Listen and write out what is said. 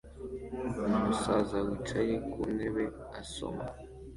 Umusaza wicaye ku ntebe asoma